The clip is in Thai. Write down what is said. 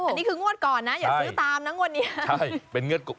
อันนี้คืองวดก่อนนะอย่าซื้อตามนะงวดนี้